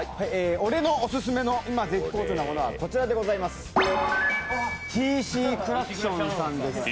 俺のおすすめのいま絶好調なものはＴＣクラクションさんです。